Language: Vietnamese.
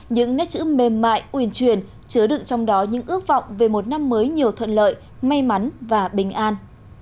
những nét chữ mềm mại uyền truyền chứa đựng trong đó những ước vọng về một năm mới nhiều thuận lợi may mắn và bình an